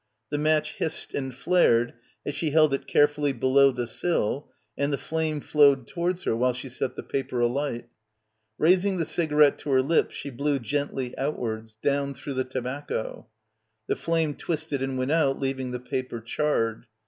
The match hissed and flared as she held it carefully below the sill, and the flame flowed towards her while she set the paper alight. Raising the ciga rette to her lips she blew gently outwards, down through the tobacco. The flame twisted and went out, leaving the paper charred.